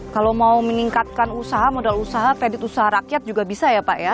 kalau mau meningkatkan usaha modal usaha kredit usaha rakyat juga bisa ya pak ya